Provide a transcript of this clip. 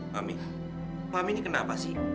mami fahmi ini kenapa sih